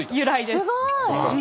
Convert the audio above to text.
すごい！